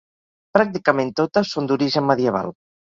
Pràcticament totes són d'origen medieval.